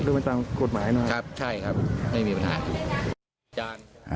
ด้วยประจำกฎหมายนะครับครับใช่ครับไม่มีปัญหา